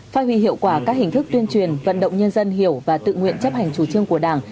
phát huy hiệu quả các hình thức tuyên truyền vận động nhân dân hiểu và tự nguyện chấp hành chủ trương của đảng